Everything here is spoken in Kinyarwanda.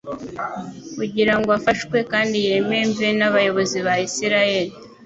kugira ngo afashwe kandi yememve n'abayobozi ba Isiraeli.